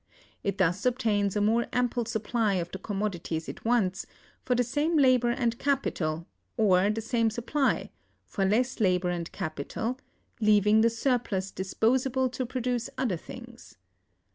It thus obtains a more ample supply of the commodities it wants, for the same labor and capital; or the same supply, for less labor and capital, leaving the surplus disposable to produce other things.